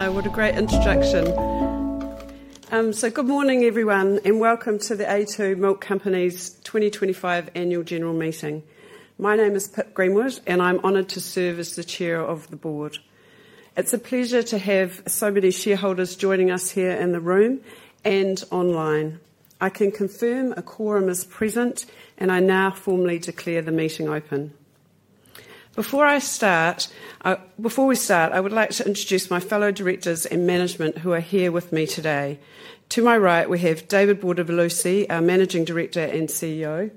What a great introduction. Good morning, everyone, and welcome to The a2 Milk Company's 2025 Annual General Meeting. My name is Pip Greenwood, and I'm honored to serve as the Chair of the Board. It's a pleasure to have so many shareholders joining us here in the room and online. I can confirm a quorum is present, and I now formally declare the meeting open. Before I start, before we start, I would like to introduce my fellow directors and management who are here with me today. To my right, we have David Bortolussi, our Managing Director and CEO,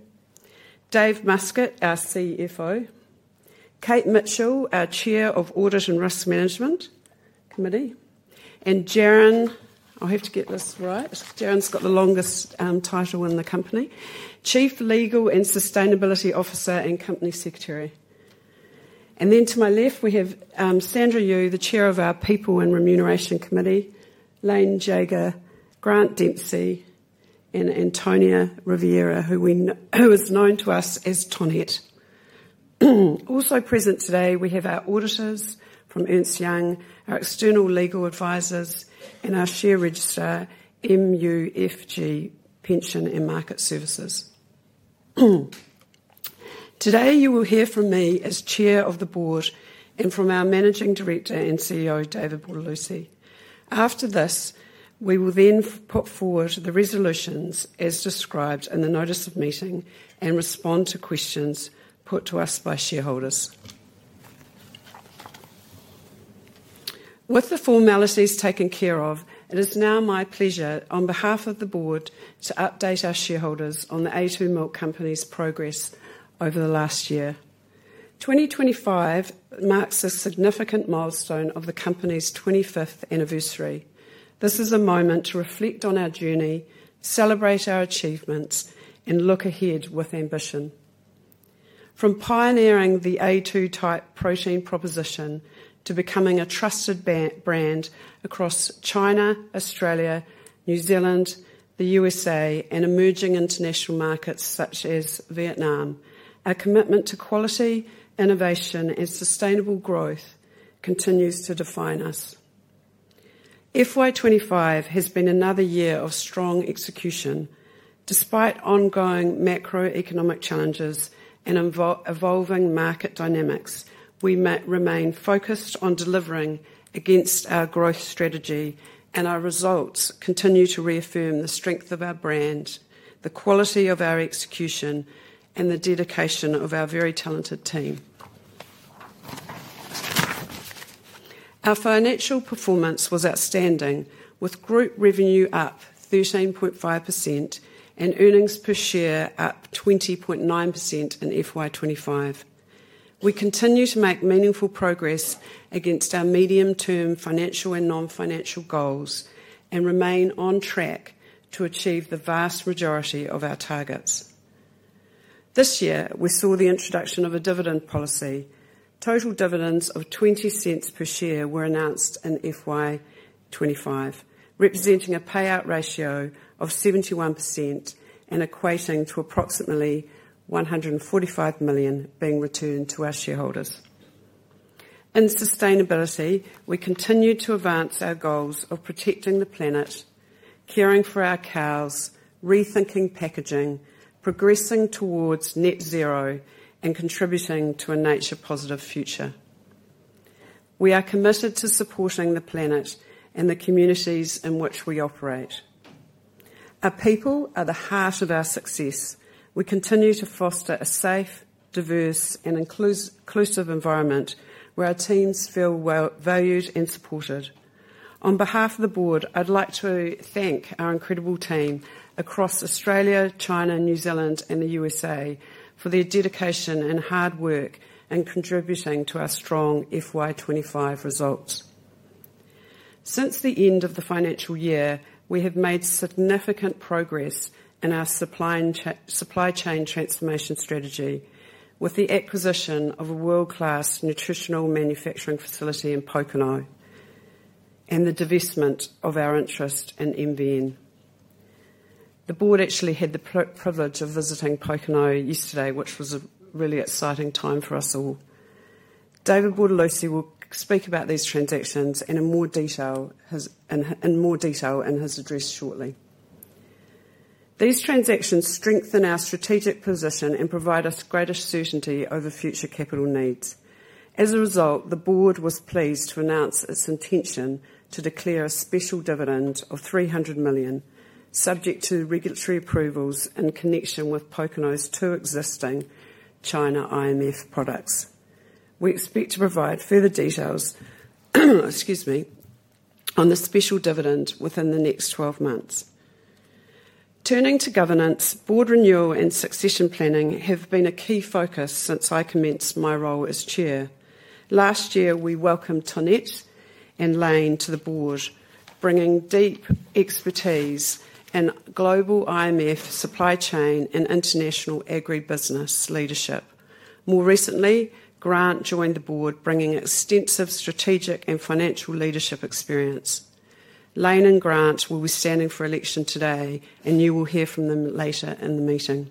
Dave Muscat, our CFO, Kate Mitchell, our Chair of Audit and Risk Management Committee, and Jaron. I'll have to get this right. Jaron's got the longest title in the company: Chief Legal and Sustainability Officer and Company Secretary. To my left, we have Sandra Yu, the Chair of the People and Remuneration Committee, Lain Jager, Grant Dempsey, and Antonio Rivera, who is known to us as Tonet. Also present today, we have our auditors from Ernst & Young, our external legal advisors, and our share registrar, MUFG Pension and Market Services. Today, you will hear from me as Chair of the Board and from our Managing Director and CEO, David Bortolussi. After this, we will then put forward the resolutions as described in the notice of meeting and respond to questions put to us by shareholders. With the formalities taken care of, it is now my pleasure, on behalf of the board, to update our shareholders on The a2 Milk Company's progress over the last year. 2025 marks a significant milestone of the company's 25th anniversary. This is a moment to reflect on our journey, celebrate our achievements, and look ahead with ambition. From pioneering the a2-type protein proposition to becoming a trusted brand across China, Australia, New Zealand, the U.S.A., and emerging international markets such as Vietnam, our commitment to quality, innovation, and sustainable growth continues to define us. FY 2025 has been another year of strong execution. Despite ongoing macroeconomic challenges and evolving market dynamics, we remain focused on delivering against our growth strategy, and our results continue to reaffirm the strength of our brand, the quality of our execution, and the dedication of our very talented team. Our financial performance was outstanding, with group revenue up 13.5% and earnings per share up 20.9% in FY 2025. We continue to make meaningful progress against our medium-term financial and non-financial goals and remain on track to achieve the vast majority of our targets. This year, we saw the introduction of a dividend policy. Total dividends of 0.20 per share were announced in FY 2025, representing a payout ratio of 71% and equating to approximately 145 million being returned to our shareholders. In sustainability, we continue to advance our goals of protecting the planet, caring for our cows, rethinking packaging, progressing towards net zero, and contributing to a nature-positive future. We are committed to supporting the planet and the communities in which we operate. Our people are the heart of our success. We continue to foster a safe, diverse, and inclusive environment where our teams feel valued and supported. On behalf of the board, I'd like to thank our incredible team across Australia, China, New Zealand, and the U.S.A. for their dedication and hard work in contributing to our strong FY 2025 results. Since the end of the financial year, we have made significant progress in our supply chain transformation strategy with the acquisition of a world-class nutritional manufacturing facility in Pōkeno and the divestment of our interest in MVM. The board actually had the privilege of visiting Pōkeno yesterday, which was a really exciting time for us all. David Bortolussi will speak about these transactions in more detail in his address shortly. These transactions strengthen our strategic position and provide us greater certainty over future capital needs. As a result, the board was pleased to announce its intention to declare a special dividend of 300 million, subject to regulatory approvals in connection with Pōkeno's two existing China IMF products. We expect to provide further details on the special dividend within the next 12 months. Turning to governance, board renewal and succession planning have been a key focus since I commenced my role as Chair. Last year, we welcomed Tonet and Lain to the board, bringing deep expertise in global IMF supply chain and international agribusiness leadership. More recently, Grant joined the board, bringing extensive strategic and financial leadership experience. Lain and Grant will be standing for election today, and you will hear from them later in the meeting.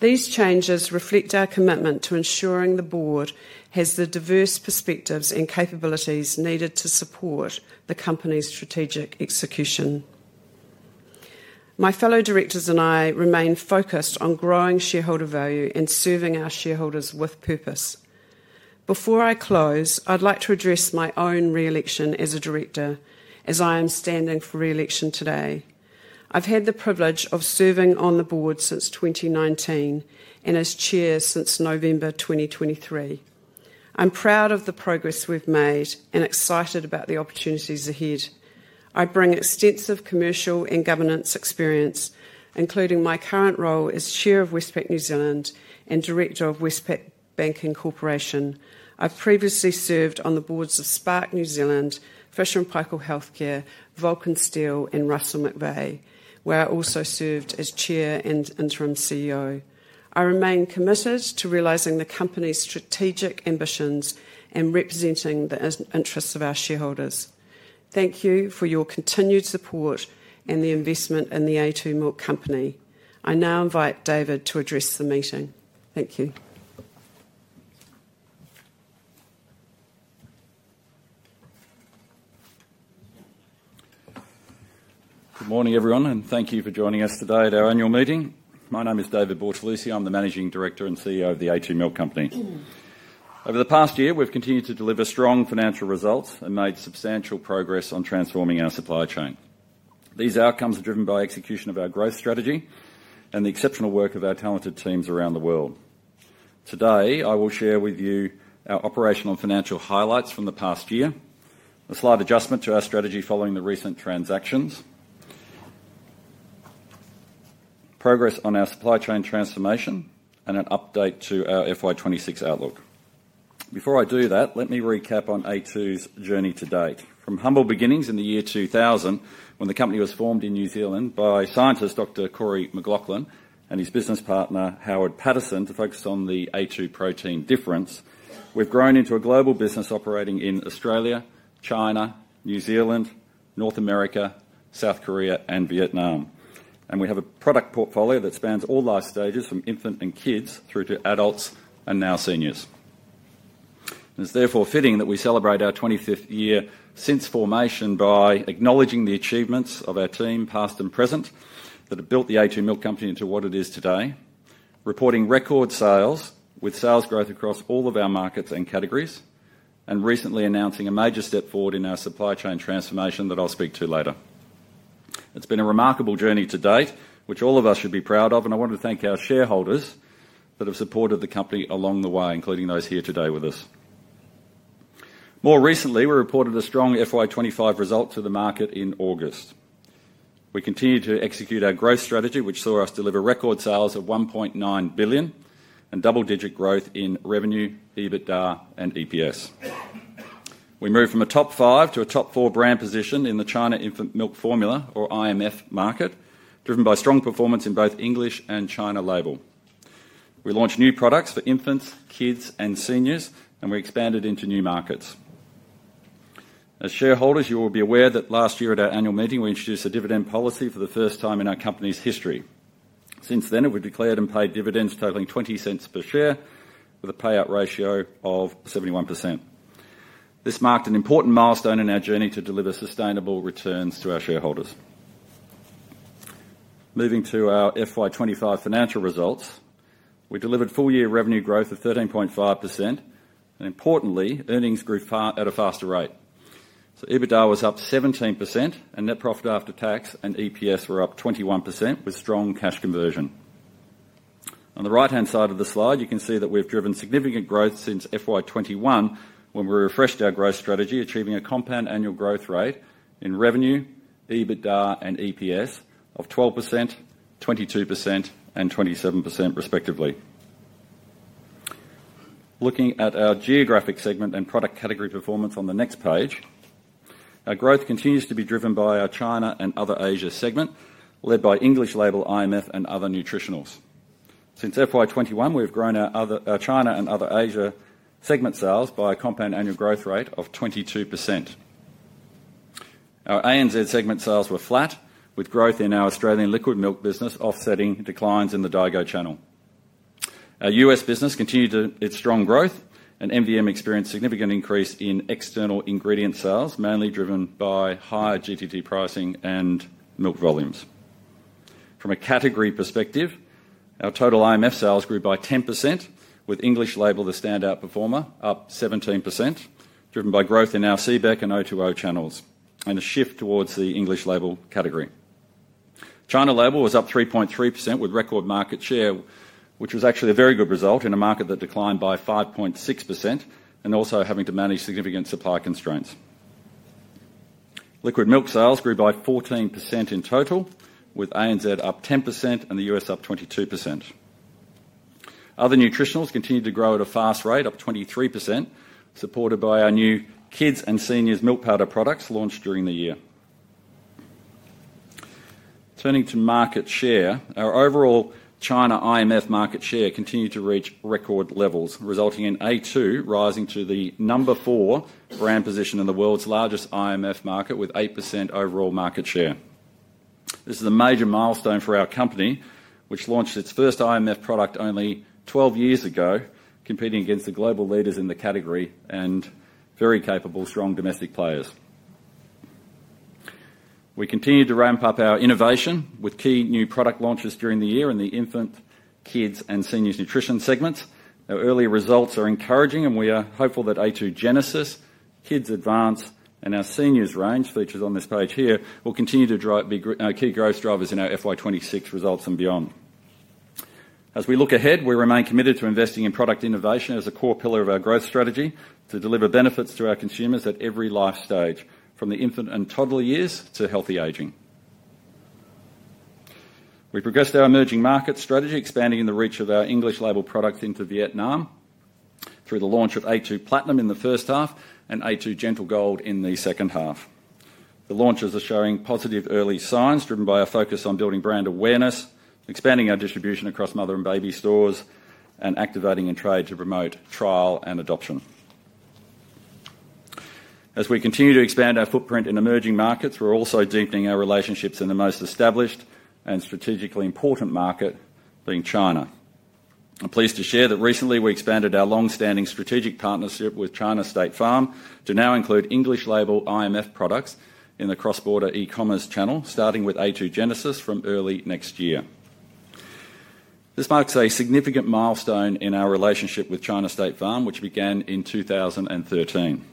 These changes reflect our commitment to ensuring the board has the diverse perspectives and capabilities needed to support the company's strategic execution. My fellow directors and I remain focused on growing shareholder value and serving our shareholders with purpose. Before I close, I'd like to address my own reelection as a director, as I am standing for reelection today. I've had the privilege of serving on the board since 2019 and as Chair since November 2023. I'm proud of the progress we've made and excited about the opportunities ahead. I bring extensive commercial and governance experience, including my current role as Chair of Westpac New Zealand and Director of Westpac Banking Corporation. I've previously served on the boards of Spark New Zealand, Fisher & Paykel Healthcare, Vulcan Steel, and Russell McVeagh, where I also served as Chair and Interim CEO. I remain committed to realizing the company's strategic ambitions and representing the interests of our shareholders. Thank you for your continued support and the investment in The a2 Milk Company. I now invite David to address the meeting. Thank you. Good morning, everyone, and thank you for joining us today at our annual meeting. My name is David Bortolussi. I'm the Managing Director and CEO of The a2 Milk Company. Over the past year, we've continued to deliver strong financial results and made substantial progress on transforming our supply chain. These outcomes are driven by execution of our growth strategy and the exceptional work of our talented teams around the world. Today, I will share with you our operational and financial highlights from the past year, a slight adjustment to our strategy following the recent transactions, progress on our supply chain transformation, and an update to our FY 2026 outlook. Before I do that, let me recap on a2's journey to date. From humble beginnings in the year 2000, when the company was formed in New Zealand by scientist Dr. Corrie McLachlan and his business partner Howard Patterson to focus on the a2 protein difference, we've grown into a global business operating in Australia, China, New Zealand, North America, South Korea, and Vietnam. We have a product portfolio that spans all life stages, from infant and kids through to adults and now seniors. It is therefore fitting that we celebrate our 25th year since formation by acknowledging the achievements of our team, past and present, that have built The a2 Milk Company into what it is today, reporting record sales with sales growth across all of our markets and categories, and recently announcing a major step forward in our supply chain transformation that I'll speak to later. It's been a remarkable journey to date, which all of us should be proud of, and I want to thank our shareholders that have supported the company along the way, including those here today with us. More recently, we reported a strong FY 2025 result to the market in August. We continue to execute our growth strategy, which saw us deliver record sales of 1.9 billion and double-digit growth in revenue, EBITDA, and EPS. We moved from a top five to a top four brand position in the China Infant Milk Formula, or IMF, market, driven by strong performance in both English and China label. We launched new products for infants, kids, and seniors, and we expanded into new markets. As shareholders, you will be aware that last year, at our annual meeting, we introduced a dividend policy for the first time in our company's history. Since then, we've declared and paid dividends totaling 0.20 per share with a payout ratio of 71%. This marked an important milestone in our journey to deliver sustainable returns to our shareholders. Moving to our FY 2025 financial results, we delivered full-year revenue growth of 13.5%, and importantly, earnings grew at a faster rate. EBITDA was up 17%, and net profit after tax and EPS were up 21% with strong cash conversion. On the right-hand side of the slide, you can see that we've driven significant growth since FY 2021 when we refreshed our growth strategy, achieving a compound annual growth rate in revenue, EBITDA, and EPS of 12%, 22%, and 27%, respectively. Looking at our geographic segment and product category performance on the next page, our growth continues to be driven by our China and other Asia segment, led by English label IMF and other nutritionals. Since FY 2021, we've grown our China and other Asia segment sales by a compound annual growth rate of 22%. Our ANZ segment sales were flat, with growth in our Australian liquid milk business offsetting declines in the daigou channel. Our U.S. business continued its strong growth, and MVM experienced a significant increase in external ingredient sales, mainly driven by higher GDT pricing and milk volumes. From a category perspective, our total IMF sales grew by 10%, with English label the standout performer, up 17%, driven by growth in our CBEC and O2O channels and a shift towards the English label category. China label was up 3.3% with record market share, which was actually a very good result in a market that declined by 5.6% and also having to manage significant supply constraints. Liquid milk sales grew by 14% in total, with ANZ up 10% and the U.S. up 22%. Other nutritionals continued to grow at a fast rate, up 23%, supported by our new kids and seniors milk powder products launched during the year. Turning to market share, our overall China IMF market share continued to reach record levels, resulting in a2 rising to the number four brand position in the world's largest IMF market with 8% overall market share. This is a major milestone for our company, which launched its first IMF product only 12 years ago, competing against the global leaders in the category and very capable, strong domestic players. We continue to ramp up our innovation with key new product launches during the year in the infant, kids, and seniors nutrition segments. Our early results are encouraging, and we are hopeful that a2 Genesis, kids advance, and our seniors range featured on this page here will continue to be key growth drivers in our FY 2026 results and beyond. As we look ahead, we remain committed to investing in product innovation as a core pillar of our growth strategy to deliver benefits to our consumers at every life stage, from the infant and toddler years to healthy aging. We progressed our emerging market strategy, expanding the reach of our English label products into Vietnam through the launch of a2 Platinum in the first half and a2 Gentle Gold in the second half. The launches are showing positive early signs driven by our focus on building brand awareness, expanding our distribution across mother and baby stores, and activating in trade to promote trial and adoption. As we continue to expand our footprint in emerging markets, we're also deepening our relationships in the most established and strategically important market, being China. I'm pleased to share that recently we expanded our long-standing strategic partnership with China State Farm to now include English label IMF products in the cross-border e-commerce channel, starting with a2 Genesis from early next year. This marks a significant milestone in our relationship with China State Farm, which began in 2013.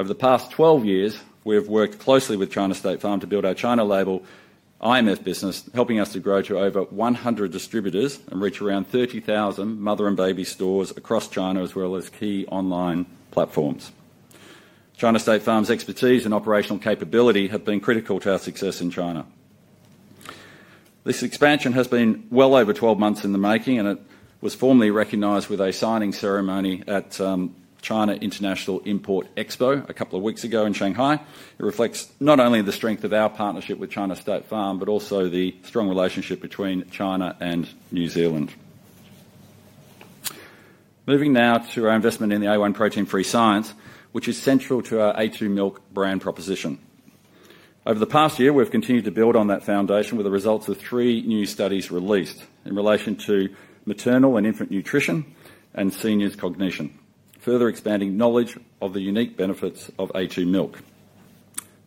Over the past 12 years, we have worked closely with China State Farm to build our China label IMF business, helping us to grow to over 100 distributors and reach around 30,000 mother and baby stores across China, as well as key online platforms. China State Farm's expertise and operational capability have been critical to our success in China. This expansion has been well over 12 months in the making, and it was formally recognized with a signing ceremony at China International Import Expo a couple of weeks ago in Shanghai. It reflects not only the strength of our partnership with China State Farm, but also the strong relationship between China and New Zealand. Moving now to our investment in the a1 protein-free science, which is central to our a2 Milk brand proposition. Over the past year, we've continued to build on that foundation with the results of three new studies released in relation to maternal and infant nutrition and seniors cognition, further expanding knowledge of the unique benefits of a2 Milk.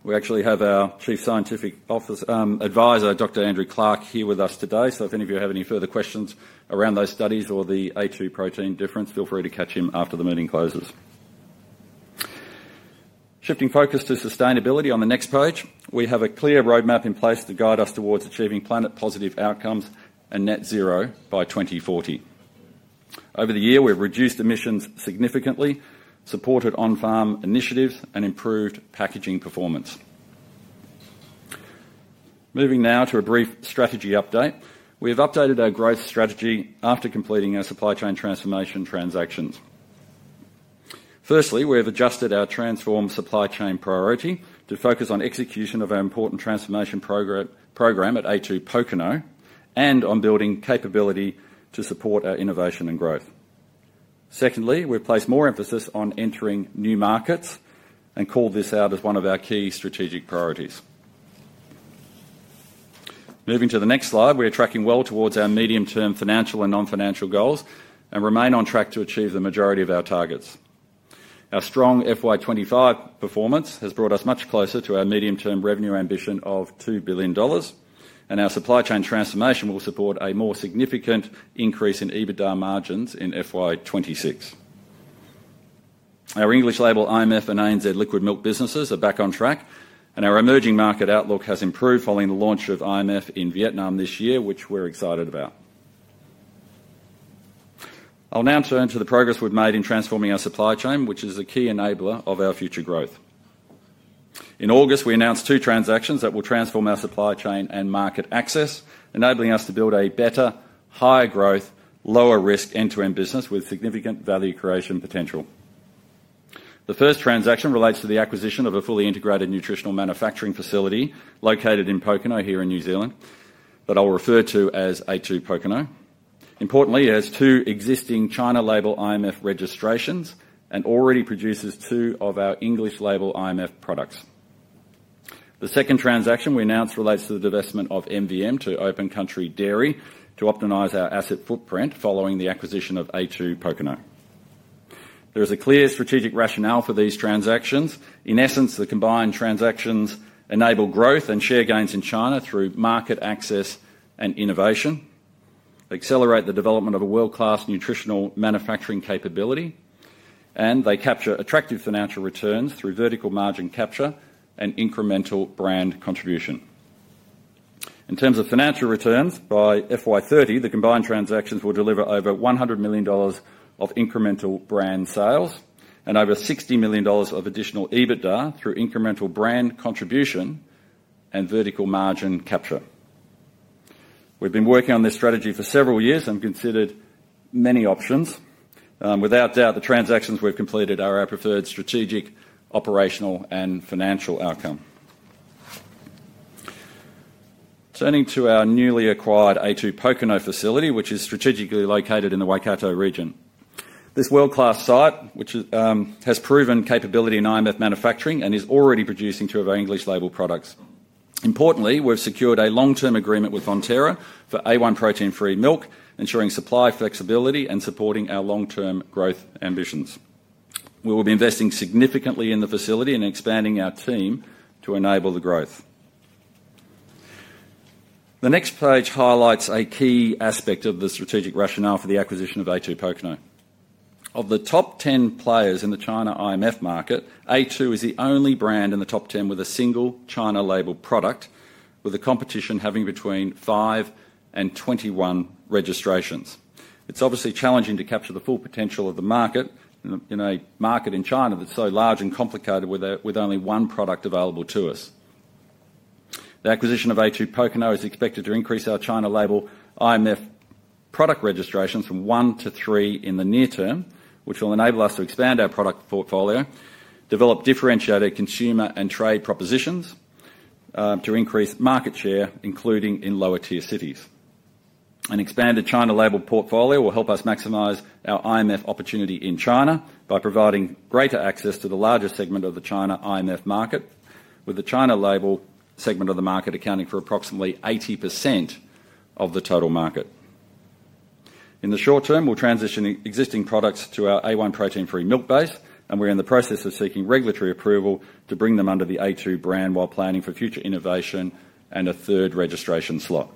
We actually have our Chief Scientific Advisor, Dr. Andrew Clark, here with us today. If any of you have any further questions around those studies or the a2 protein difference, feel free to catch him after the meeting closes. Shifting focus to sustainability on the next page, we have a clear roadmap in place to guide us towards achieving planet-positive outcomes and net zero by 2040. Over the year, we've reduced emissions significantly, supported on-farm initiatives, and improved packaging performance. Moving now to a brief strategy update, we have updated our growth strategy after completing our supply chain transformation transactions. Firstly, we have adjusted our transformed supply chain priority to focus on execution of our important transformation program at a2 Pōkeno and on building capability to support our innovation and growth. Secondly, we've placed more emphasis on entering new markets and called this out as one of our key strategic priorities. Moving to the next slide, we are tracking well towards our medium-term financial and non-financial goals and remain on track to achieve the majority of our targets. Our strong FY 2025 performance has brought us much closer to our medium-term revenue ambition of 2 billion dollars, and our supply chain transformation will support a more significant increase in EBITDA margins in FY 2026. Our English label IMF and ANZ liquid milk businesses are back on track, and our emerging market outlook has improved following the launch of IMF in Vietnam this year, which we're excited about. I'll now turn to the progress we've made in transforming our supply chain, which is a key enabler of our future growth. In August, we announced two transactions that will transform our supply chain and market access, enabling us to build a better, higher growth, lower-risk end-to-end business with significant value creation potential. The first transaction relates to the acquisition of a fully integrated nutritional manufacturing facility located in Pōkeno here in New Zealand that I'll refer to as a2 Pōkeno. Importantly, it has two existing China label IMF registrations and already produces two of our English label IMF products. The second transaction we announced relates to the divestment of MVM to Open Country Dairy to optimize our asset footprint following the acquisition of a2 Pōkeno. There is a clear strategic rationale for these transactions. In essence, the combined transactions enable growth and share gains in China through market access and innovation, accelerate the development of a world-class nutritional manufacturing capability, and they capture attractive financial returns through vertical margin capture and incremental brand contribution. In terms of financial returns, by FY 2030, the combined transactions will deliver over 100 million dollars of incremental brand sales and over 60 million dollars of additional EBITDA through incremental brand contribution and vertical margin capture. We've been working on this strategy for several years and considered many options. Without doubt, the transactions we've completed are our preferred strategic, operational, and financial outcome. Turning to our newly acquired a2 Pōkeno facility, which is strategically located in the Waikato region. This world-class site has proven capability in IMF manufacturing and is already producing two of our English label products. Importantly, we've secured a long-term agreement with Fonterra for a1 protein-free milk, ensuring supply flexibility and supporting our long-term growth ambitions. We will be investing significantly in the facility and expanding our team to enable the growth. The next page highlights a key aspect of the strategic rationale for the acquisition of a2 Pōkeno. Of the top 10 players in the China IMF market, a2 is the only brand in the top 10 with a single China label product, with the competition having between 5 and 21 registrations. It's obviously challenging to capture the full potential of the market in a market in China that's so large and complicated with only one product available to us. The acquisition of a2 Pōkeno is expected to increase our China label IMF product registrations from one to three in the near term, which will enable us to expand our product portfolio, develop differentiated consumer and trade propositions to increase market share, including in lower-tier cities. An expanded China label portfolio will help us maximize our IMF opportunity in China by providing greater access to the larger segment of the China IMF market, with the China label segment of the market accounting for approximately 80% of the total market. In the short term, we will transition existing products to our a1 protein-free milk base, and we are in the process of seeking regulatory approval to bring them under the a2 brand while planning for future innovation and a third registration slot.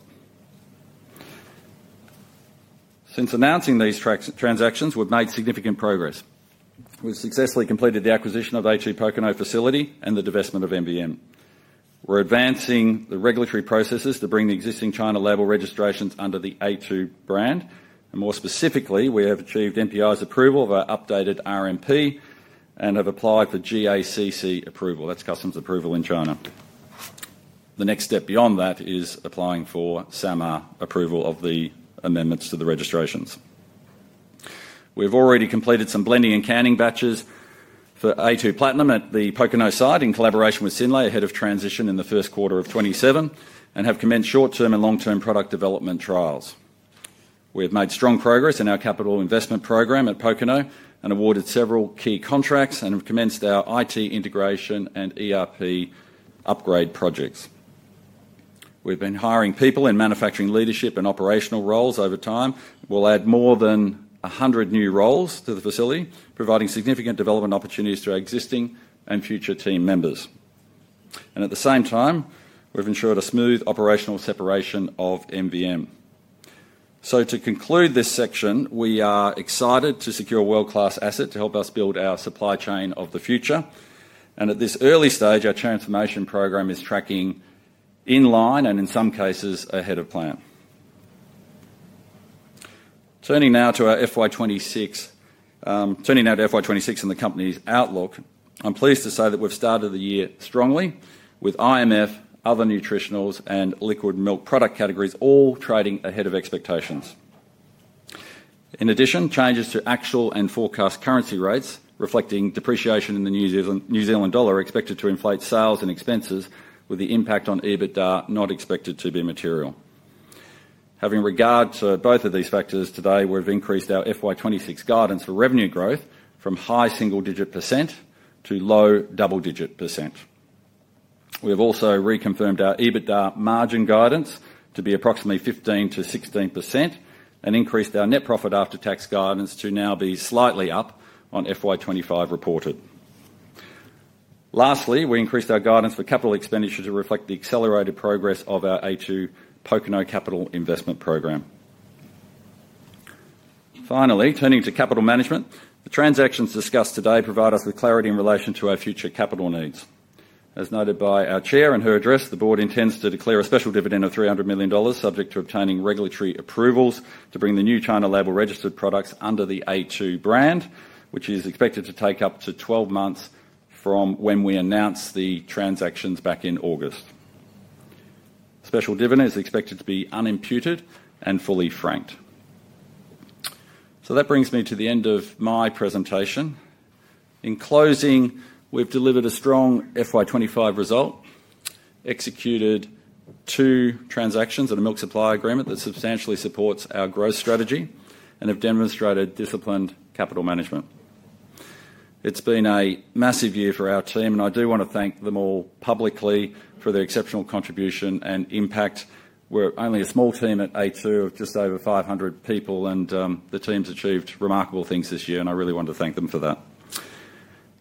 Since announcing these transactions, we have made significant progress. We have successfully completed the acquisition of a2 Pōkeno facility and the divestment of MVM. We are advancing the regulatory processes to bring the existing China label registrations under the a2 brand. More specifically, we have achieved NPI's approval of our updated RMP and have applied for GACC approval. That is customs approval in China. The next step beyond that is applying for SAMR approval of the amendments to the registrations. We've already completed some blending and canning batches for a2 Platinum at the Pōkeno site in collaboration with Synlait, head of transition in the first quarter of 2027, and have commenced short-term and long-term product development trials. We have made strong progress in our capital investment program at Pōkeno and awarded several key contracts and have commenced our IT integration and ERP upgrade projects. We've been hiring people in manufacturing leadership and operational roles over time. We'll add more than 100 new roles to the facility, providing significant development opportunities to our existing and future team members. At the same time, we've ensured a smooth operational separation of MVM. To conclude this section, we are excited to secure a world-class asset to help us build our supply chain of the future. At this early stage, our transformation program is tracking in line and in some cases ahead of plan. Turning now to our FY 2026 and the company's outlook, I'm pleased to say that we've started the year strongly with IMF, other nutritionals, and liquid milk product categories all trading ahead of expectations. In addition, changes to actual and forecast currency rates, reflecting depreciation in the New Zealand dollar, are expected to inflate sales and expenses, with the impact on EBITDA not expected to be material. Having regard to both of these factors today, we've increased our FY 2026 guidance for revenue growth from high single-digit percent to low double-digit percent. We have also reconfirmed our EBITDA margin guidance to be approximately 15%-16% and increased our net profit after-tax guidance to now be slightly up on FY 2025 reported. Lastly, we increased our guidance for capital expenditure to reflect the accelerated progress of our a2 Pōkeno capital investment program. Finally, turning to capital management, the transactions discussed today provide us with clarity in relation to our future capital needs. As noted by our Chair in her address, the board intends to declare a special dividend of 300 million dollars, subject to obtaining regulatory approvals to bring the new China label registered products under the a2 brand, which is expected to take up to 12 months from when we announced the transactions back in August. The special dividend is expected to be unimputed and fully franked. That brings me to the end of my presentation. In closing, we've delivered a strong FY 2025 result, executed two transactions and a milk supply agreement that substantially supports our growth strategy, and have demonstrated disciplined capital management. It's been a massive year for our team, and I do want to thank them all publicly for their exceptional contribution and impact. We're only a small team at a2 of just over 500 people, and the team's achieved remarkable things this year, and I really want to thank them for that.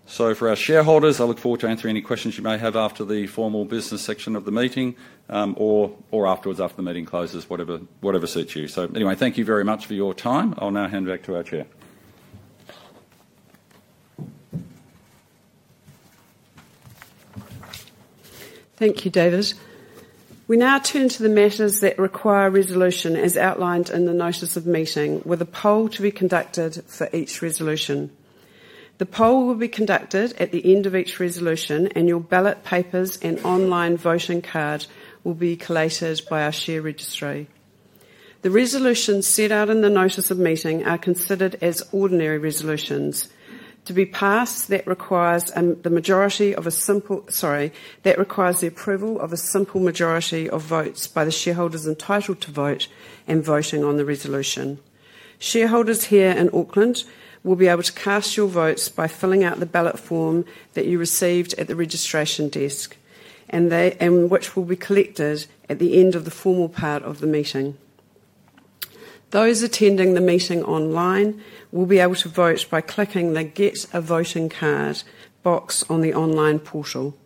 For our shareholders, I look forward to answering any questions you may have after the formal business section of the meeting or afterwards, after the meeting closes, whatever suits you. Thank you very much for your time. I'll now hand back to our Chair. Thank you, David. We now turn to the matters that require resolution, as outlined in the notice of meeting, with a poll to be conducted for each resolution. The poll will be conducted at the end of each resolution, and your ballot papers and online voting card will be collated by our share registry. The resolutions set out in the notice of meeting are considered as ordinary resolutions. To be passed, that requires the approval of a simple majority of votes by the shareholders entitled to vote and voting on the resolution. Shareholders here in Auckland will be able to cast your votes by filling out the ballot form that you received at the registration desk, and which will be collected at the end of the formal part of the meeting. Those attending the meeting online will be able to vote by clicking the Get a Voting Card box on the online portal.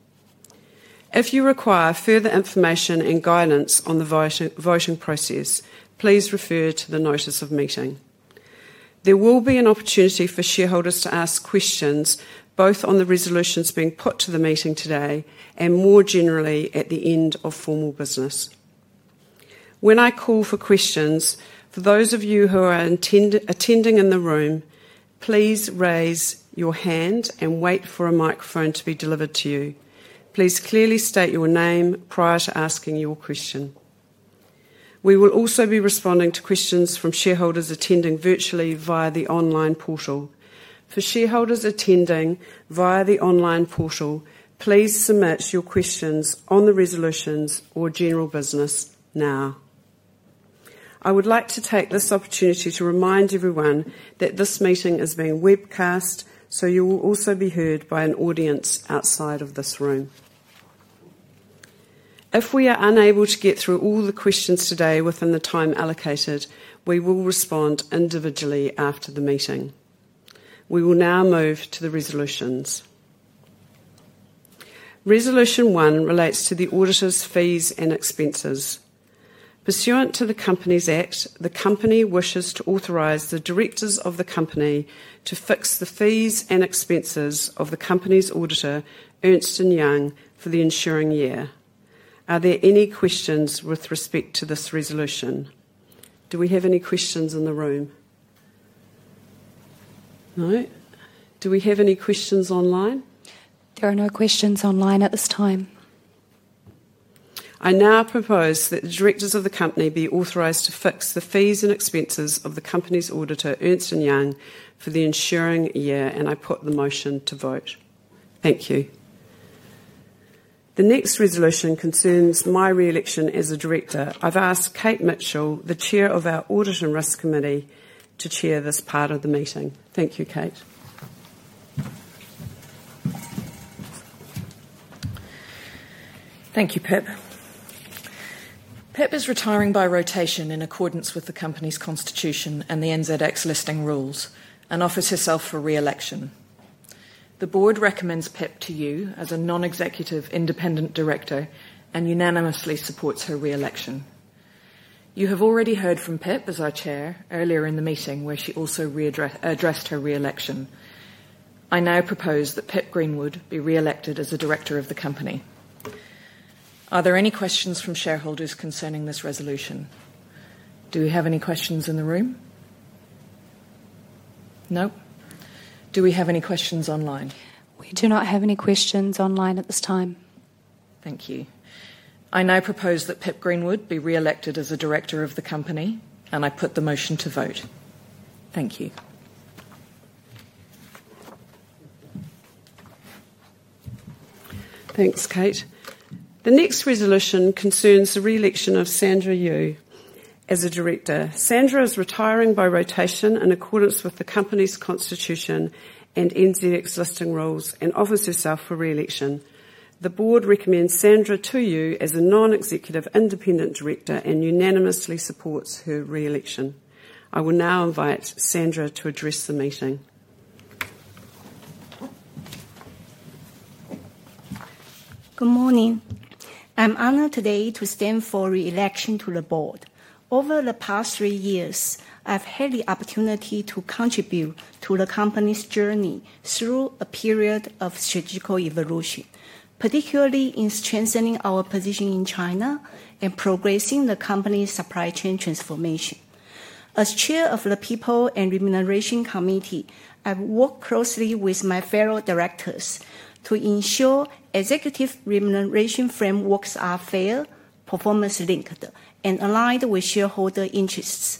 If you require further information and guidance on the voting process, please refer to the notice of meeting. There will be an opportunity for shareholders to ask questions both on the resolutions being put to the meeting today and more generally at the end of formal business. When I call for questions, for those of you who are attending in the room, please raise your hand and wait for a microphone to be delivered to you. Please clearly state your name prior to asking your question. We will also be responding to questions from shareholders attending virtually via the online portal. For shareholders attending via the online portal, please submit your questions on the resolutions or general business now. I would like to take this opportunity to remind everyone that this meeting is being webcast, so you will also be heard by an audience outside of this room. If we are unable to get through all the questions today within the time allocated, we will respond individually after the meeting. We will now move to the resolutions. Resolution one relates to the auditor's fees and expenses. Pursuant to the Companies Act, the company wishes to authorize the directors of the company to fix the fees and expenses of the company's auditor, Ernst & Young, for the ensuing year. Are there any questions with respect to this resolution? Do we have any questions in the room? No? Do we have any questions online? There are no questions online at this time. I now propose that the directors of the company be authorized to fix the fees and expenses of the company's auditor, Ernst & Young, for the ensuing year, and I put the motion to vote. Thank you. The next resolution concerns my re-election as a Director. I've asked Kate Mitchell, the Chair of our Audit and Risk Committee, to chair this part of the meeting. Thank you, Kate. Thank you, Pip. Pip is retiring by rotation in accordance with the company's constitution and the NZX listing rules and offers herself for re-election. The board recommends Pip to you as a Non-Executive Independent Director and unanimously supports her re-election. You have already heard from Pip as our Chair earlier in the meeting, where she also addressed her re-election. I now propose that Pip Greenwood be re-elected as a Director of the company. Are there any questions from shareholders concerning this resolution? Do we have any questions in the room? No? Do we have any questions online? We do not have any questions online at this time. Thank you. I now propose that Pip Greenwood be re-elected as a Director of the company, and I put the motion to vote. Thank you. Thanks, Kate. The next resolution concerns the re-election of Sandra Yu as a Director. Sandra is retiring by rotation in accordance with the company's constitution and NZX listing rules and offers herself for re-election. The board recommends Sandra to you as a Non-Executive Independent Director and unanimously supports her re-election. I will now invite Sandra to address the meeting. Good morning. I'm honored today to stand for re-election to the board. Over the past three years, I've had the opportunity to contribute to the company's journey through a period of strategic evolution, particularly in strengthening our position in China and progressing the company's supply chain transformation. As Chair of the People and Remuneration Committee, I've worked closely with my fellow directors to ensure executive remuneration frameworks are fair, performance-linked, and aligned with shareholder interests,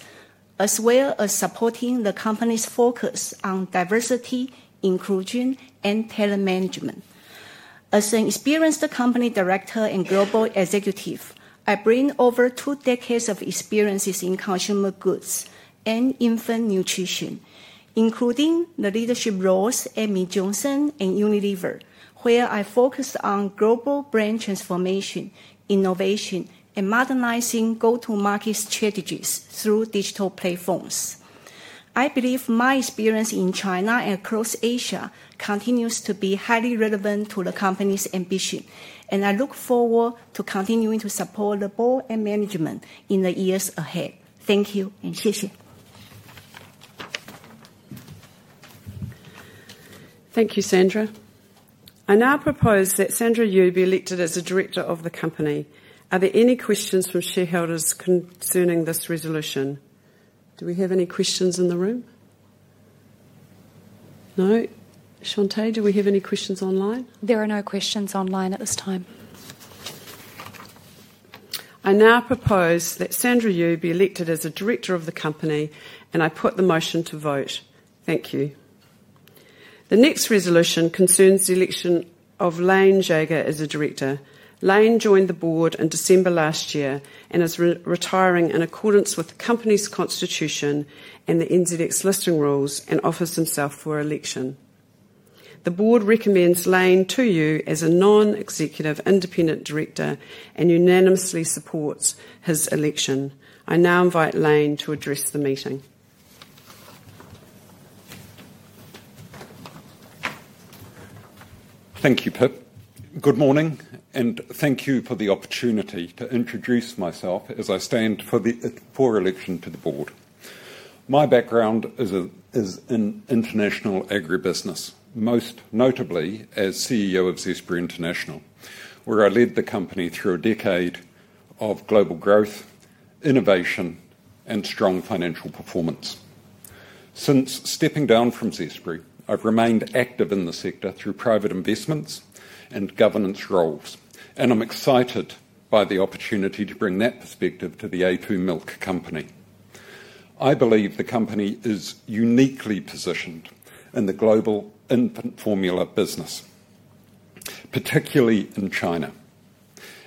as well as supporting the company's focus on diversity, inclusion, and talent management. As an experienced company director and global executive, I bring over two decades of experience in consumer goods and infant nutrition, including the leadership roles at Mead Johnson and Unilever, where I focused on global brand transformation, innovation, and modernizing go-to-market strategies through digital platforms. I believe my experience in China and across Asia continues to be highly relevant to the company's ambition, and I look forward to continuing to support the board and management in the years ahead. Thank you and cheers. Thank you, Sandra. I now propose that Sandra Yu be elected as a Director of the company. Are there any questions from shareholders concerning this resolution? Do we have any questions in the room? No? Chante, do we have any questions online? There are no questions online at this time. I now propose that Sandra Yu be elected as a Director of the company, and I put the motion to vote. Thank you. The next resolution concerns the election of Lain Jager as a Director. Lain joined the board in December last year and is retiring in accordance with the company's constitution and the NZX listing rules and offers himself for election. The board recommends Lain to you as a Non-Executive Independent Director and unanimously supports his election. I now invite Lain to address the meeting. Thank you, Pip. Good morning, and thank you for the opportunity to introduce myself as I stand for the election to the board. My background is in international agribusiness, most notably as CEO of Zespri International, where I led the company through a decade of global growth, innovation, and strong financial performance. Since stepping down from Zespri, I've remained active in the sector through private investments and governance roles, and I'm excited by the opportunity to bring that perspective to The a2 Milk Company. I believe the company is uniquely positioned in the global infant formula business, particularly in China,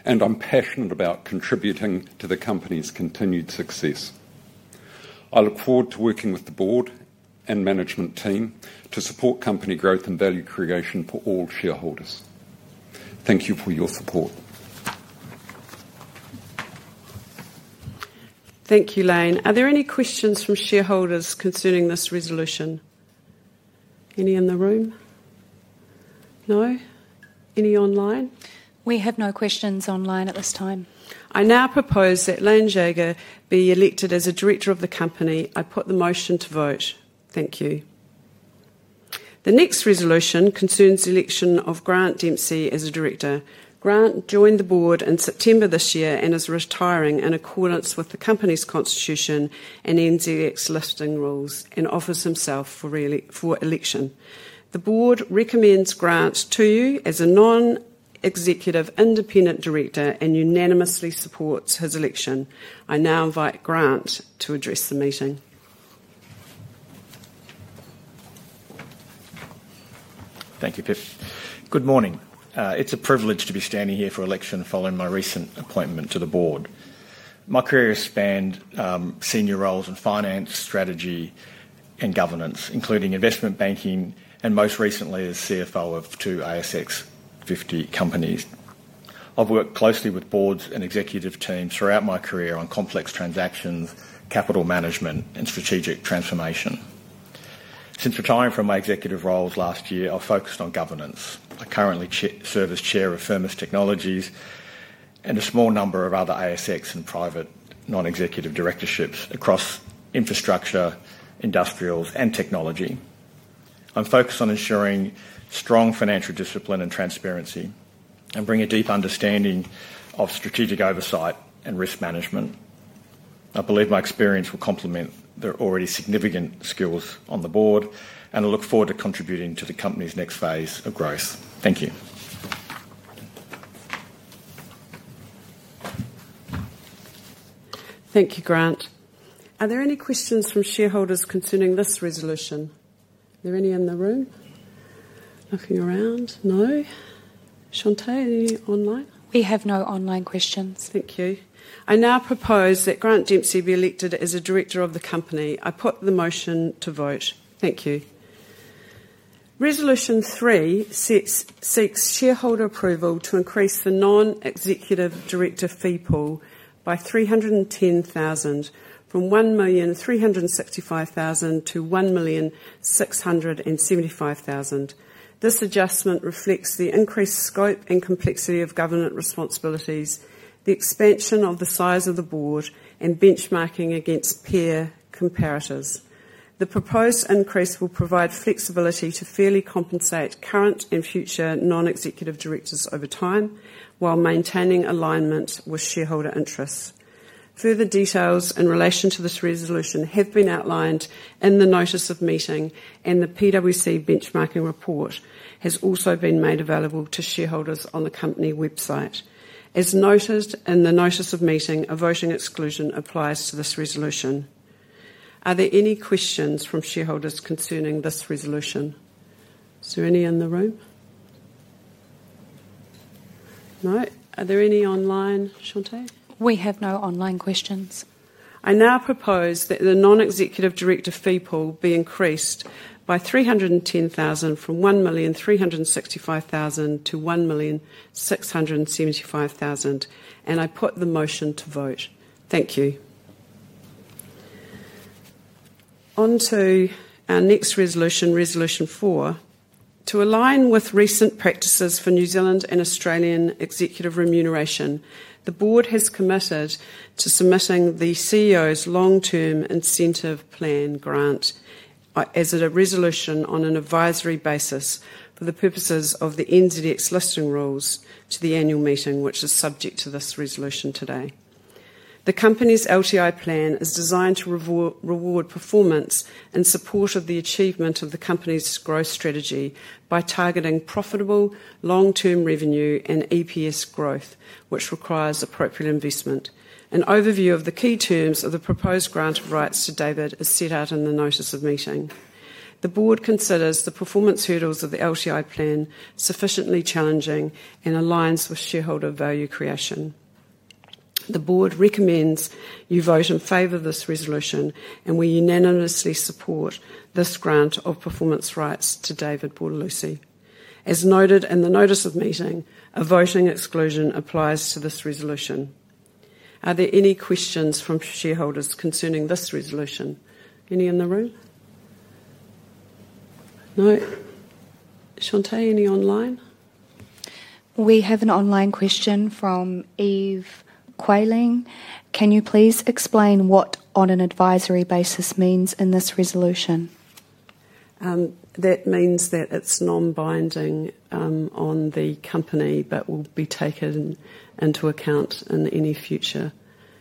and I'm passionate about contributing to the company's continued success. I look forward to working with the board and management team to support company growth and value creation for all shareholders. Thank you for your support. Thank you, Lain. Are there any questions from shareholders concerning this resolution? Any in the room? No? Any online? We have no questions online at this time. I now propose that Lain Jager be elected as a Director of the company. I put the motion to vote. Thank you. The next resolution concerns the election of Grant Dempsey as a Director. Grant joined the board in September this year and is retiring in accordance with the company's constitution and NZX listing rules and offers himself for election. The board recommends Grant to you as a Non-Executive Independent Director and unanimously supports his election. I now invite Grant to address the meeting. Thank you, Pip. Good morning. It's a privilege to be standing here for election following my recent appointment to the board. My career has spanned senior roles in finance, strategy, and governance, including investment banking and most recently as CFO of two ASX 50 companies. I've worked closely with boards and executive teams throughout my career on complex transactions, capital management, and strategic transformation. Since retiring from my executive roles last year, I've focused on governance. I currently serve as Chair of Firmus Technologies and a small number of other ASX and private non-executive directorships across infrastructure, industrials, and technology. I'm focused on ensuring strong financial discipline and transparency and bringing a deep understanding of strategic oversight and risk management. I believe my experience will complement the already significant skills on the board, and I look forward to contributing to the company's next phase of growth. Thank you. Thank you, Grant. Are there any questions from shareholders concerning this resolution? Are there any in the room? Looking around. No? Chante, any online? We have no online questions. Thank you. I now propose that Grant Dempsey be elected as a Director of the company. I put the motion to vote. Thank you. Resolution three seeks shareholder approval to increase the Non-Executive Director fee pool by 310,000, from 1,365,000 to 1,675,000. This adjustment reflects the increased scope and complexity of governance responsibilities, the expansion of the size of the board, and benchmarking against peer comparators. The proposed increase will provide flexibility to fairly compensate current and future non-executive directors over time while maintaining alignment with shareholder interests. Further details in relation to this resolution have been outlined in the notice of meeting, and the PwC benchmarking report has also been made available to shareholders on the company website. As noted in the notice of meeting, a voting exclusion applies to this resolution. Are there any questions from shareholders concerning this resolution? Is there any in the room? No? Are there any online, Chante? We have no online questions. I now propose that the Non-Executive Director fee pool be increased by 310,000, from 1,365,000 to 1,675,000, and I put the motion to vote. Thank you. On to our next resolution, Resolution four. To align with recent practices for New Zealand and Australian executive remuneration, the board has committed to submitting the CEO's long-term incentive plan, Grant, as a resolution on an advisory basis for the purposes of the NZX listing rules to the annual meeting, which is subject to this resolution today. The company's LTI plan is designed to reward performance in support of the achievement of the company's growth strategy by targeting profitable long-term revenue and EPS growth, which requires appropriate investment. An overview of the key terms of the proposed grant of rights to David is set out in the notice of meeting. The board considers the performance hurdles of the LTI plan sufficiently challenging and aligns with shareholder value creation. The board recommends you vote in favor of this resolution, and we unanimously support this grant of performance rights to David Bortolussi. As noted in the notice of meeting, a voting exclusion applies to this resolution. Are there any questions from shareholders concerning this resolution? Any in the room? No? Chante, any online? We have an online question from Eve Quayling. Can you please explain what "on an advisory basis" means in this resolution? That means that it's non-binding on the company, but will be taken into account in any future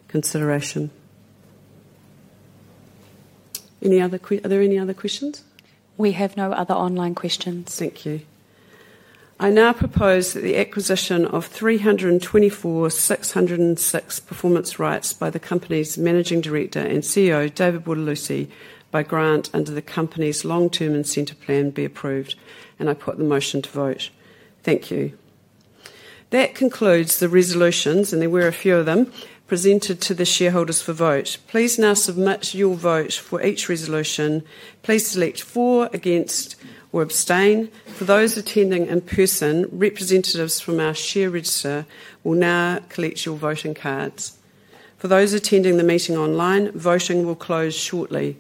consideration. Are there any other questions? We have no other online questions. Thank you. I now propose that the acquisition of 324,606 performance rights by the company's Managing Director and CEO, David Bortolussi, by grant under the company's long-term incentive plan be approved, and I put the motion to vote. Thank you. That concludes the resolutions, and there were a few of them, presented to the shareholders for vote. Please now submit your vote for each resolution. Please select for, against, or abstain. For those attending in person, representatives from our share register will now collect your voting cards. For those attending the meeting online, voting will close shortly.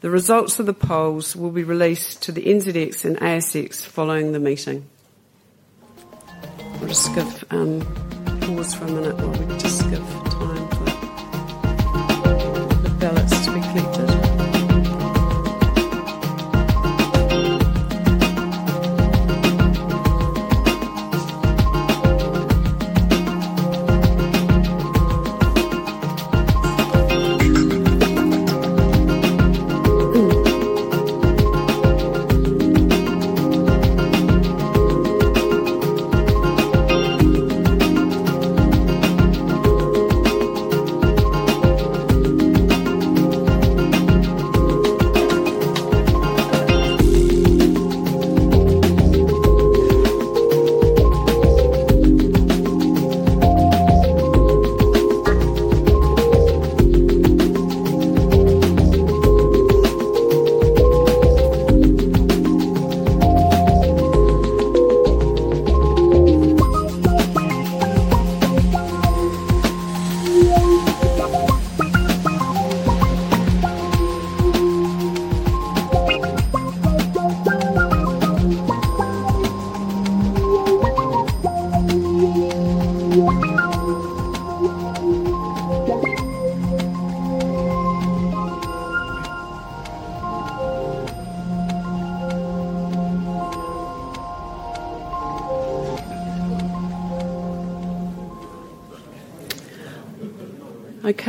The results of the polls will be released to the NZX and ASX following the meeting. We'll just give pause for a minute while we just give time for the ballots to be collected.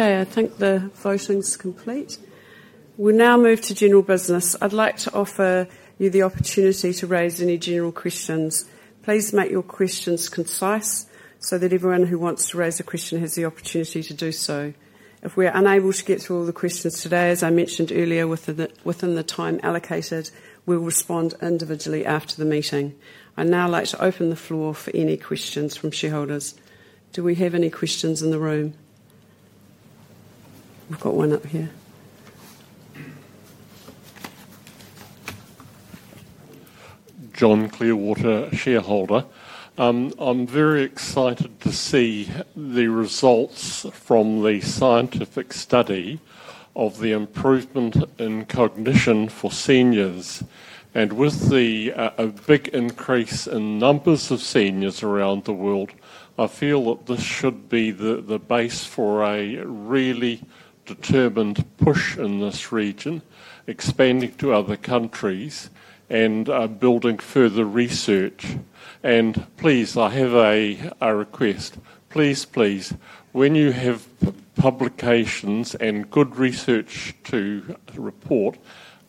Okay, I think the voting's complete. We now move to general business. I'd like to offer you the opportunity to raise any general questions. Please make your questions concise so that everyone who wants to raise a question has the opportunity to do so. If we're unable to get through all the questions today, as I mentioned earlier, within the time allocated, we'll respond individually after the meeting. I'd now like to open the floor for any questions from shareholders. Do we have any questions in the room? We've got one up here. John Clearwater, shareholder. I'm very excited to see the results from the scientific study of the improvement in cognition for seniors. With the big increase in numbers of seniors around the world, I feel that this should be the base for a really determined push in this region, expanding to other countries and building further research. Please, I have a request. Please, please, when you have publications and good research to report,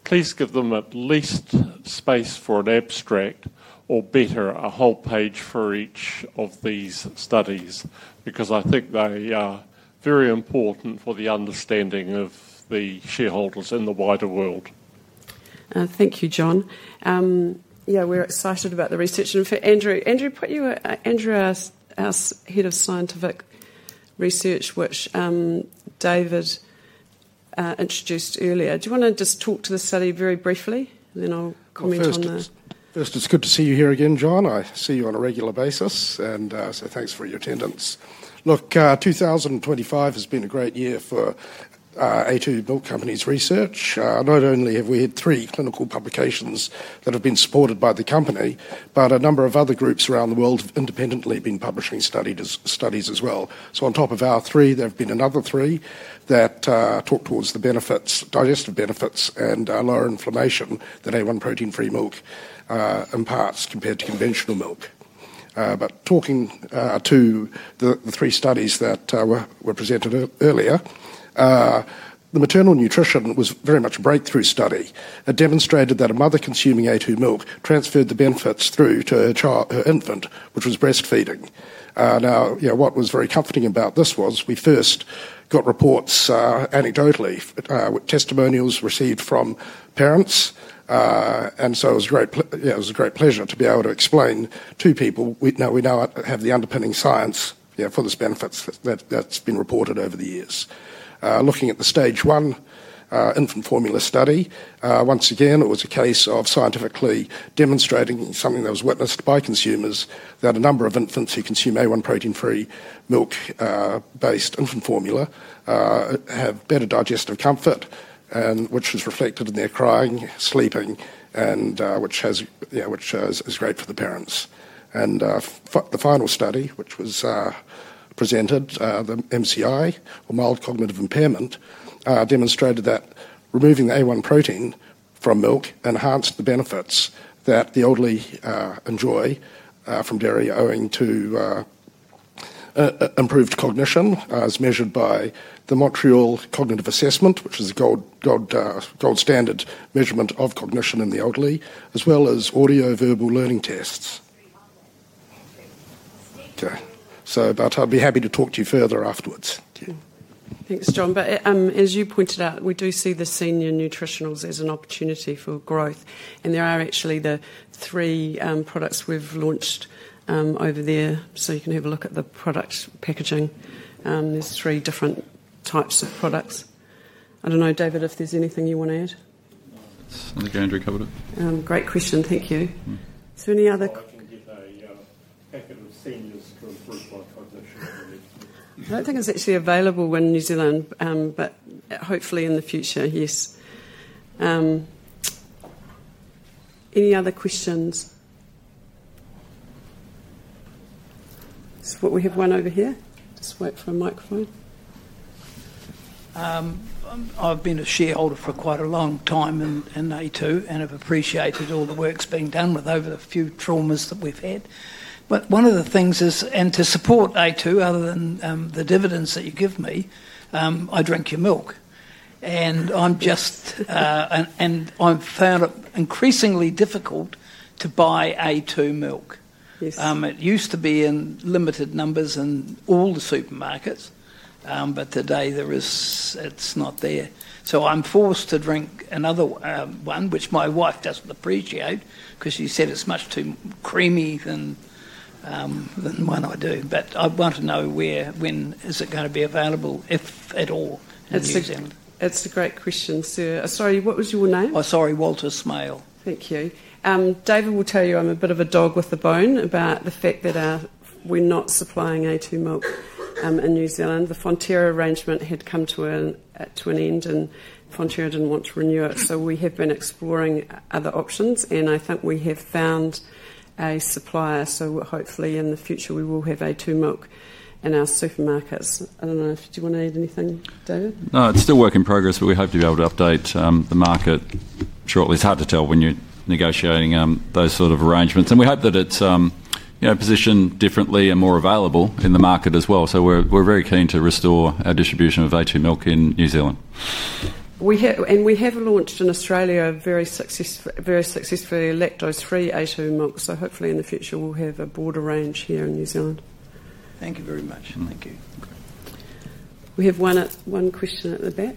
please give them at least space for an abstract, or better, a whole page for each of these studies, because I think they are very important for the understanding of the shareholders in the wider world. Thank you, John. Yeah, we're excited about the research. And for Andrew, Andrew put you as head of scientific research, which David introduced earlier. Do you want to just talk to the study very briefly, and then I'll comment on the? It's good to see you here again, John. I see you on a regular basis, and so thanks for your attendance. Look, 2025 has been a great year for a2 Milk Company's research. Not only have we had three clinical publications that have been supported by the company, but a number of other groups around the world have independently been publishing studies as well. On top of our three, there have been another three that talk towards the benefits, digestive benefits, and lower inflammation that a1 protein-free milk imparts compared to conventional milk. Talking to the three studies that were presented earlier, the maternal nutrition was very much a breakthrough study. It demonstrated that a mother consuming a2 Milk transferred the benefits through to her infant, which was breastfeeding. What was very comforting about this was we first got reports anecdotally, testimonials received from parents, and it was a great pleasure to be able to explain to people. We now have the underpinning science for these benefits that has been reported over the years. Looking at the stage one infant formula study, once again, it was a case of scientifically demonstrating something that was witnessed by consumers, that a number of infants who consume a1 protein-free milk-based infant formula have better digestive comfort, which was reflected in their crying, sleeping, and which is great for the parents. The final study, which was presented, the MCI, or mild cognitive impairment, demonstrated that removing the a1 protein from milk enhanced the benefits that the elderly enjoy, from dairy owing to improved cognition, as measured by the Montreal Cognitive Assessment, which is a gold standard measurement of cognition in the elderly, as well as audio-verbal learning tests. Okay. I'll be happy to talk to you further afterwards. Thanks, John. As you pointed out, we do see the senior nutritionals as an opportunity for growth. There are actually the three products we've launched over there. You can have a look at the product packaging. There are three different types of prducts. I don't know, David, if there's anything you want to add? I think Andrew covered it. Great question. Thank you. Any other? I think I can get a packet of seniors to improve my cognition. I don't think it's actually available in New Zealand, but hopefully in the future, yes. Any other questions? We have one over here. Just wait for a microphone. I've been a shareholder for quite a long time in a2 and have appreciated all the work that's been done with over the few traumas that we've had. One of the things is, and to support a2, other than the dividends that you give me, I drink your milk. I'm just, and I've found it increasingly difficult to buy a2 Milk. It used to be in limited numbers in all the supermarkets, but today it's not there. I'm forced to drink another one, which my wife doesn't appreciate because she said it's much too creamy than when I do. I want to know where, when is it going to be available, if at all, in New Zealand? That's a great question, sir. Sorry, what was your name? Sorry, Walter Smale. Thank you. David will tell you I'm a bit of a dog with a bone about the fact that we're not supplying a2 Milk in New Zealand. The Frontier arrangement had come to an end, and Frontier didn't want to renew it. We have been exploring other options, and I think we have found a supplier. Hopefully in the future we will have a2 Milk in our supermarkets. I don't know if you want to add anything, David? No, it's still a work in progress, but we hope to be able to update the market shortly. It's hard to tell when you're negotiating those sort of arrangements. We hope that it's positioned differently and more available in the market as well. We are very keen to restore our distribution of a2 Milk in New Zealand. We have launched in Australia very successfully lactose-free a2 Milk. Hopefully in the future we'll have a broader range here in New Zealand. Thank you very much. Thank you. We have one question at the back.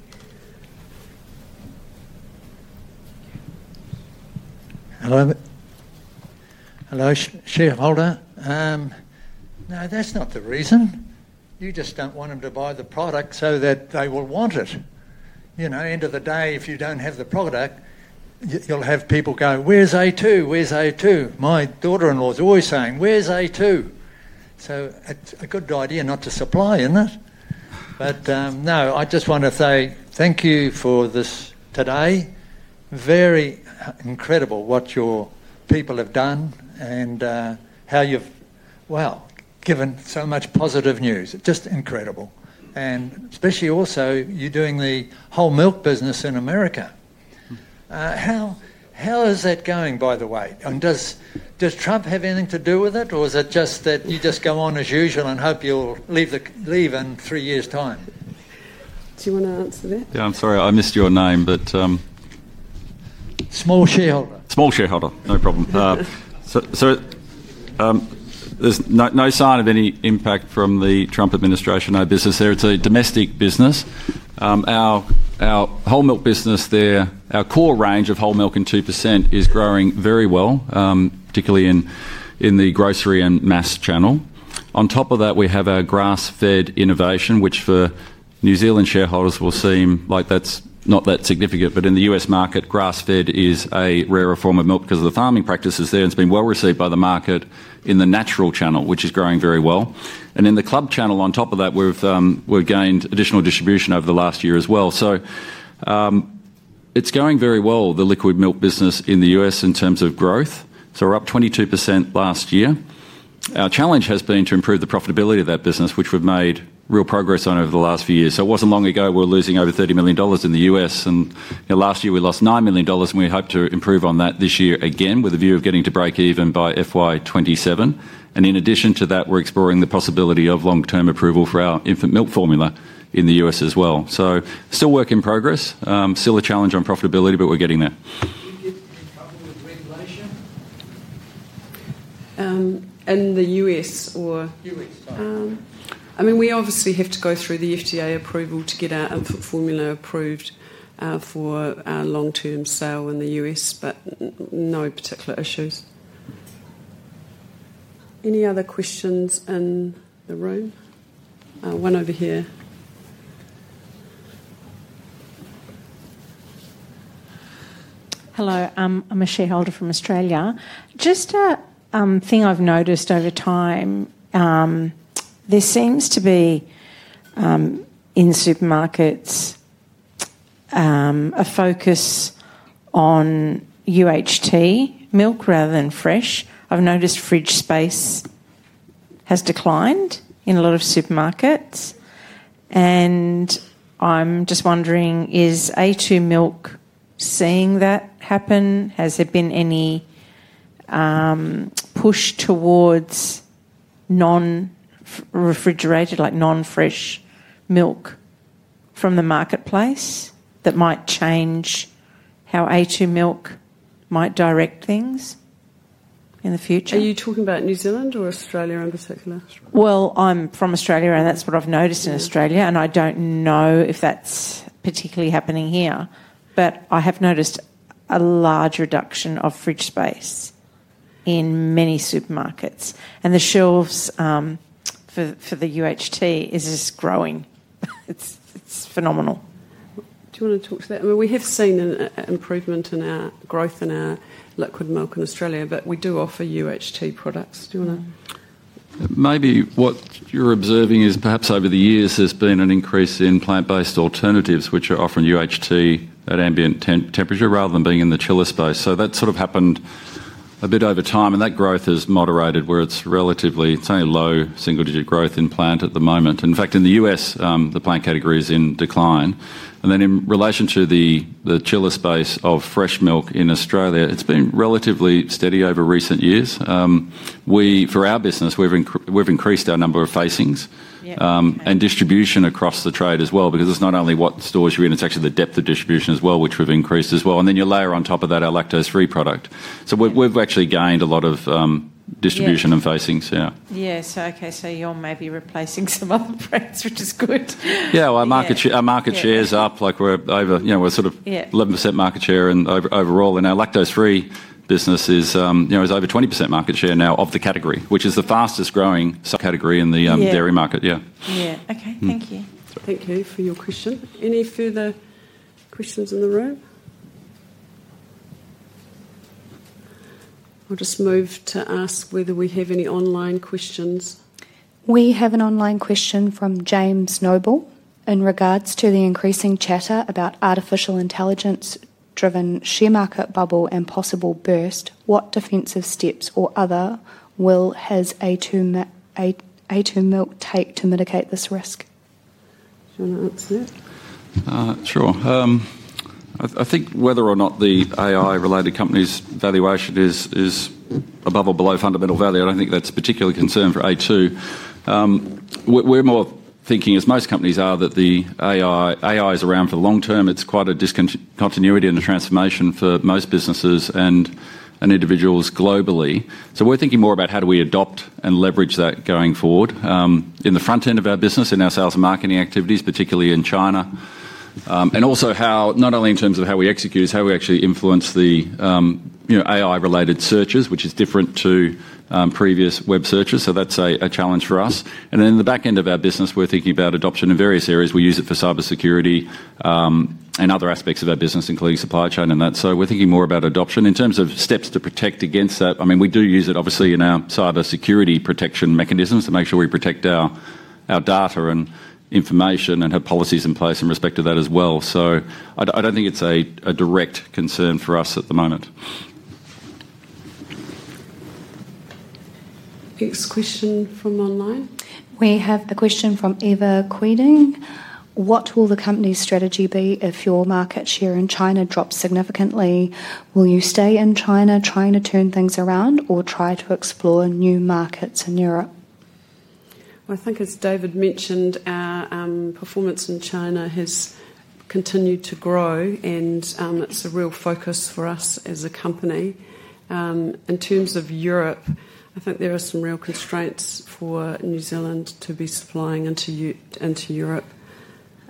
Hello. Hello, shareholder. No, that's not the reason. You just don't want them to buy the product so that they will want it. End of the day, if you do not have the product, you will have people go, "Where's a2? Where's a2?" My daughter-in-law is always saying, "Where's a2?" It is a good idea not to supply, isn't it? I just want to say thank you for this today. Very incredible what your people have done and how you have, well, given so much positive news. Just incredible. Especially also you are doing the whole milk business in America. How is that going, by the way? Does Trump have anything to do with it, or is it just that you just go on as usual and hope you will leave in three years' time? Do you want to answer that? I am sorry, I missed your name, but. Small shareholder. Small shareholder. No problem. There is no sign of any impact from the Trump administration, no business there. It is a domestic business. Our whole milk business there, our core range of whole milk and 2% is growing very well, particularly in the grocery and mass channel. On top of that, we have our grass-fed innovation, which for New Zealand shareholders will seem like that's not that significant. In the U.S. market, grass-fed is a rarer form of milk because of the farming practices there, and it's been well received by the market in the natural channel, which is growing very well. In the club channel, on top of that, we've gained additional distribution over the last year as well. It is going very well, the liquid milk business in the U.S. in terms of growth. We are up 22% last year. Our challenge has been to improve the profitability of that business, which we've made real progress on over the last few years. It wasn't long ago we were losing over $30 million in the U.S., and last year we lost $9 million, and we hope to improve on that this year again with a view of getting to break even by FY 2027. In addition to that, we're exploring the possibility of long-term approval for our infant milk formula in the U.S. as well. Still work in progress, still a challenge on profitability, but we're getting there. The U.S., or? U.S. I mean, we obviously have to go through the FDA approval to get our infant formula approved for our long-term sale in the U.S., but no particular issues. Any other questions in the room? One over here. Hello, I'm a shareholder from Australia. Just a thing I've noticed over time, there seems to be in supermarkets a focus on UHT milk rather than fresh. I've noticed fridge space has declined in a lot of supermarkets. I'm just wondering, is a2 Milk seeing that happen? Has there been any push towards non-refrigerated, like non-fresh milk from the marketplace that might change how a2 Milk might direct things in the future? Are you talking about New Zealand or Australia in particular? I'm from Australia, and that's what I've noticed in Australia. I don't know if that's particularly happening here, but I have noticed a large reduction of fridge space in many supermarkets. The shelves for the UHT is just growing. It's phenomenal. Do you want to talk to that? I mean, we have seen an improvement in our growth in our liquid milk in Australia, but we do offer UHT products. Do you want to? Maybe what you're observing is perhaps over the years there's been an increase in plant-based alternatives, which are offering UHT at ambient temperature rather than being in the chiller space. That's sort of happened a bit over time, and that growth has moderated where it's relatively, it's only low single-digit growth in plant at the moment. In fact, in the U.S., the plant category is in decline. In relation to the chiller space of fresh milk in Australia, it's been relatively steady over recent years. For our business, we've increased our number of facings and distribution across the trade as well, because it's not only what stores you're in, it's actually the depth of distribution as well, which we've increased as well. You layer on top of that our lactose-free product. We've actually gained a lot of distribution and facings, yeah. Yeah, okay, so you're maybe replacing some other brands, which is good. Yeah, our market share's up. We're sort of at 11% market share overall. And our lactose-free business is over 20% market share now of the category, which is the fastest growing category in the dairy market, yeah. Okay. Thank you. Thank you for your question. Any further questions in the room? I'll just move to ask whether we have any online questions. We have an online question from James Noble in regards to the increasing chatter about artificial intelligence-driven share market bubble and possible burst. What defensive steps or other will has a2 Milk take to mitigate this risk? Do you want to answer that? Sure. I think whether or not the AI-related company's valuation is above or below fundamental value, I don't think that's particularly a concern for a2. We're more thinking, as most companies are, that the AI is around for the long term. It's quite a discontinuity and a transformation for most businesses and individuals globally. We are thinking more about how do we adopt and leverage that going forward in the front end of our business, in our sales and marketing activities, particularly in China. Also, not only in terms of how we execute, it's how we actually influence the AI-related searches, which is different to previous web searches. That's a challenge for us. In the back end of our business, we're thinking about adoption in various areas. We use it for cybersecurity and other aspects of our business, including supply chain and that. We're thinking more about adoption. In terms of steps to protect against that, I mean, we do use it obviously in our cybersecurity protection mechanisms to make sure we protect our data and information and have policies in place in respect of that as well. I don't think it's a direct concern for us at the moment. Next question from online. We have a question from Eva Queeding. What will the company's strategy be if your market share in China drops significantly? Will you stay in China trying to turn things around or try to explore new markets in Europe? I think, as David mentioned, our performance in China has continued to grow, and it's a real focus for us as a company. In terms of Europe, I think there are some real constraints for New Zealand to be supplying into Europe.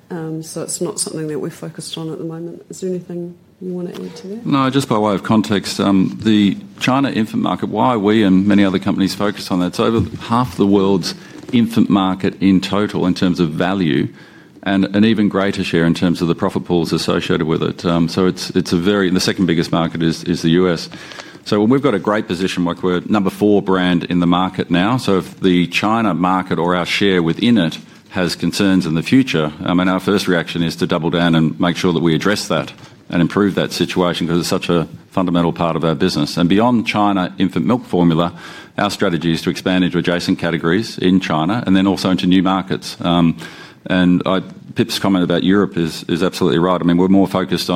It's not something that we're focused on at the moment. Is there anything you want to add to that? No, just by way of context, the China infant market, why we and many other companies focus on that, it's over half the world's infant market in total in terms of value and an even greater share in terms of the profit pools associated with it. It is a very, the second biggest market is the U.S. We have a great position, like we're number four brand in the market now. If the China market or our share within it has concerns in the future, I mean, our first reaction is to double down and make sure that we address that and improve that situation because it's such a fundamental part of our business. Beyond China infant milk formula, our strategy is to expand into adjacent categories in China and then also into new markets. Pip's comment about Europe is absolutely right. I mean, we're more focused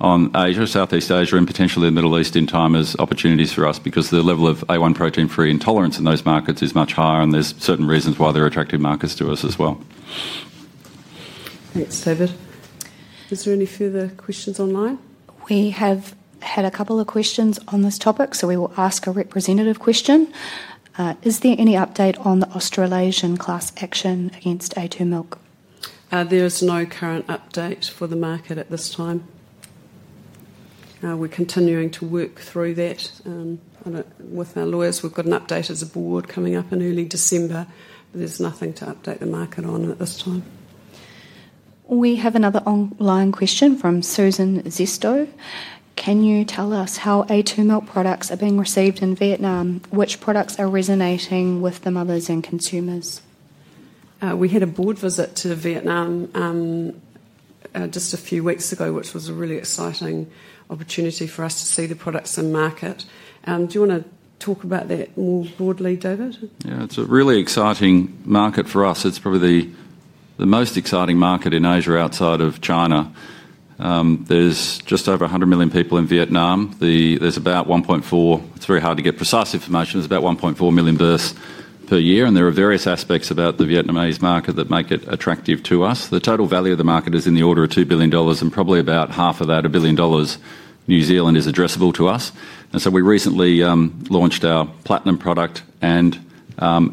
on Asia, Southeast Asia, and potentially the Middle East in time as opportunities for us because the level of a1 protein-free intolerance in those markets is much higher, and there are certain reasons why they're attractive markets to us as well. Thanks, David. Is there any further questions online? We have had a couple of questions on this topic, so we will ask a representative question. Is there any update on the Australasian class action against a2 Milk? There is no current update for the market at this time. We're continuing to work through that with our lawyers. We've got an update as a board coming up in early December, but there's nothing to update the market on at this time. We have another online question from Susan Zesto. Can you tell us how a2 Milk products are being received in Vietnam? Which products are resonating with the mothers and consumers? We had a board visit to Vietnam just a few weeks ago, which was a really exciting opportunity for us to see the products and market. Do you want to talk about that more broadly, David? Yeah, it's a really exciting market for us. It's probably the most exciting market in Asia outside of China. There are just over 100 million people in Vietnam. There are about 1.4 million, it's very hard to get precise information, there are about 1.4 million births per year, and there are various aspects about the Vietnamese market that make it attractive to us. The total value of the market is in the order of 2 billion dollars and probably about half of that, 1 billion dollars, is addressable to us. We recently launched our Platinum product and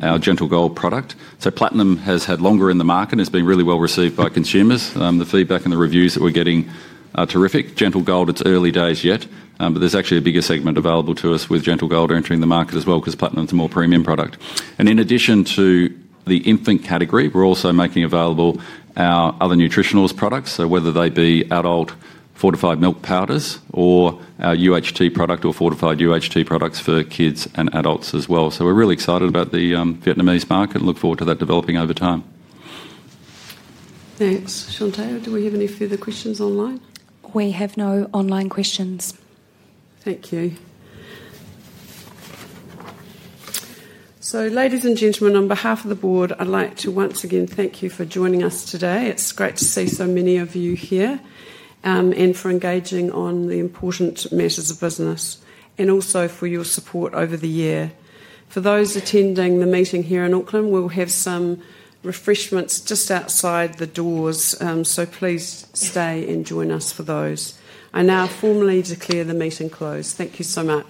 our Gentle Gold product. Platinum has had longer in the market and has been really well received by consumers. The feedback and the reviews that we're getting are terrific. Gentle Gold, it's early days yet, but there's actually a bigger segment available to us with Gentle Gold entering the market as well because Platinum's a more premium product. In addition to the infant category, we're also making available our other nutritionals products, whether they be adult fortified milk powders or our UHT product or fortified UHT products for kids and adults as well. We're really excited about the Vietnamese market and look forward to that developing over time. Thanks. Chante, do we have any further questions online? We have no online questions. Thank you. Ladies and gentlemen, on behalf of the board, I'd like to once again thank you for joining us today. It's great to see so many of you here and for engaging on the important matters of business and also for your support over the year. For those attending the meeting here in Auckland, we'll have some refreshments just outside the doors, so please stay and join us for those. I now formally declare the meeting closed. Thank you so much.